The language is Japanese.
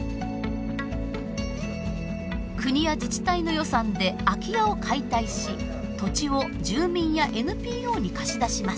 国や自治体の予算で空き家を解体し土地を住民やＮＰＯに貸し出します。